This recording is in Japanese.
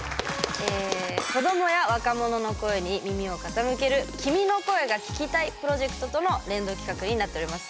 子どもや若者の声に耳を傾ける「君の声が聴きたい」プロジェクトとの連動企画になっております。